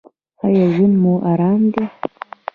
ایا ژوند مو ارام دی؟